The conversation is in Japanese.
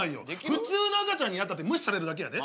普通の赤ちゃんになったって無視されるだけやで？